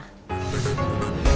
terima kasih pak